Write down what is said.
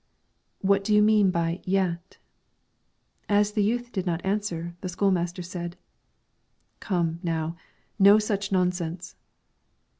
"What do you mean by yet?" As the youth did not answer, the school master said, "Come, now, no such nonsense."